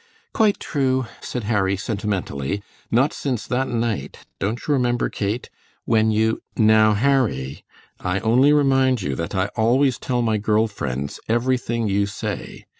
"Quite true," said Harry, sentimentally, "not since that night, don't you remember, Kate, when you " "Now, Harry, I only remind you that I always tell my girl friends everything you say.